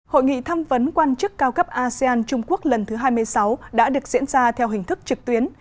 hội nghị thăm vấn quan chức cao cấp asean trung quốc lần thứ hai mươi sáu đã được diễn ra theo hình thức trực tuyến